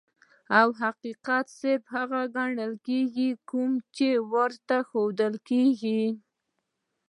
او حقيقت صرف هغه ګڼي کوم چې ورته ښودلے کيږي -